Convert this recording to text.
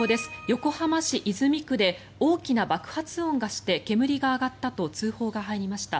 横浜市泉区で大きな爆発音がして煙が上がったと通報が入りました。